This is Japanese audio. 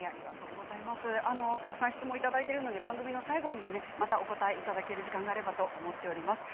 たくさん質問いただいているので最後にまたお答えいただける時間があればと思っています。